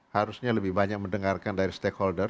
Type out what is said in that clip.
harusnya lebih banyak mendengarkan dari stakeholder